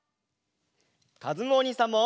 かずむおにいさんも！